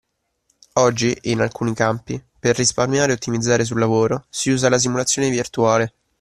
Oggi, in alcuni campi, per risparmiare e ottimizzare sul lavoro si usa la simulazione virtuale